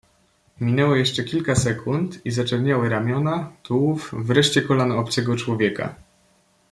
"Minęło jeszcze kilka sekund i zaczerniały ramiona, tułów, wreszcie kolana obcego człowieka."